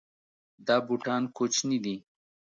دا بوټان کوچني دي